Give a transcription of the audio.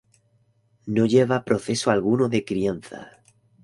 No lleva proceso alguno de crianza.